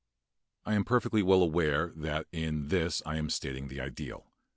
I am perfectly well aware that in this I am stating the ideal.